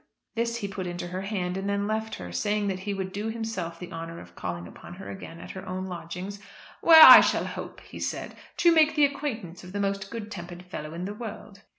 This he put into her hand, and then left her, saying that he would do himself the honour of calling upon her again at her own lodgings, "where I shall hope," he said, "to make the acquaintance of the most good tempered fellow in the world."